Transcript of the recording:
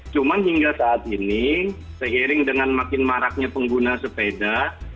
cuman hingga saat ini seiring dengan makin maraknya pengguna sepeda